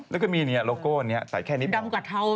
แล้วก็มีเนี่ยโลโก้อันนี้ใส่แค่นิดหน่อยดำกับเทาไหม